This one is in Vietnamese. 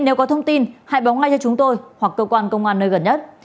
nếu có thông tin hãy báo ngay cho chúng tôi hoặc cơ quan công an nơi gần nhất